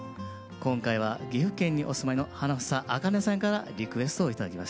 今回は岐阜県にお住まいの花房あかねさんからリクエストを頂きました。